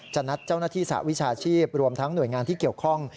นัดเจ้าหน้าที่สหวิชาชีพรวมทั้งหน่วยงานที่เกี่ยวข้อง